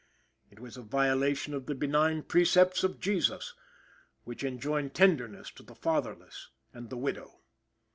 It was a violation of the benign precepts of Jesus, which enjoin tenderness to the fatherless and the widow.